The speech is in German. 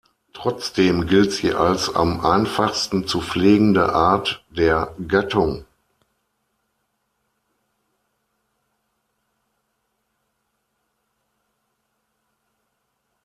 Trotzdem gilt sie als am einfachsten zu pflegende Art der Gattung.